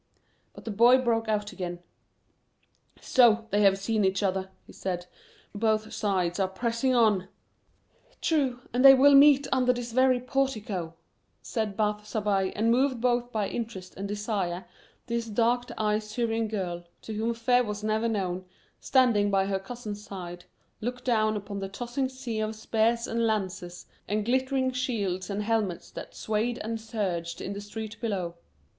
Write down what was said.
But the boy broke out again. "So; they have seen each other," he said; "both sides are pressing on!" "True; and they will meet under this very portico," said Bath Zabbai, and moved both by interest and desire this dark eyed Syrian girl, to whom fear was never known, standing by her cousin's side, looked down upon the tossing sea of spears and lances and glittering shields and helmets that swayed and surged in the street below.